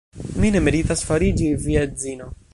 Mi ne meritas fariĝi via edzino.